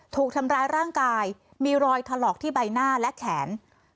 ถูกทำร้ายร่างกายมีรอยถลอกที่ใบหน้าและแขน